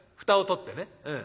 蓋を取ってね。